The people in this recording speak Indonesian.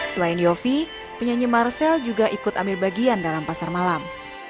selain yofi penyanyi marcel juga ikut ambil bagian dalam pasar malam